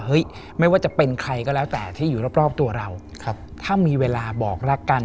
ไม่ว่าจะเป็นใครก็แล้วแต่ที่อยู่รอบตัวเราถ้ามีเวลาบอกรักกัน